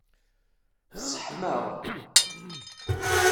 Sseḥmaɣ.